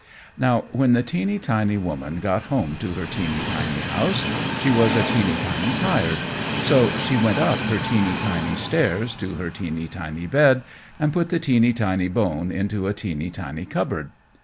Now when the teeny tiny woman got home to her teeny tiny house she was a teeny tiny tired; so she went up her teeny tiny stairs to her teeny tiny bed, and put the teeny tiny bone into a teeny tiny cupboard.